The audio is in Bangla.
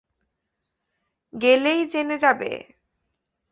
গেলেই জেনে যাবে।